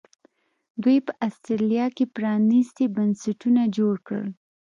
دوی په اسټرالیا کې پرانیستي بنسټونه جوړ کړل.